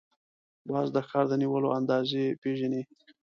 باز د ښکار د نیولو اندازې پېژني